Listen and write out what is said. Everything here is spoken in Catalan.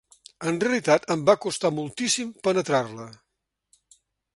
En realitat em va costar moltíssim penetrar-la.